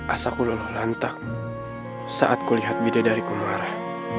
asa ku luluh lantak saat kulihat bide dariku marah